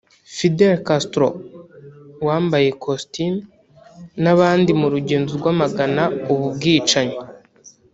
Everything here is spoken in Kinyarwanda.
Fidel Castro (wambaye costume) n'abandi mu rugendo rwamagana ubu bwicanyi